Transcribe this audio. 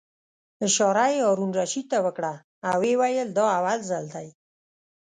اشاره یې هارون الرشید ته وکړه او ویې ویل: دا اول ځل دی.